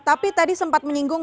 tapi tadi sempat menyinggung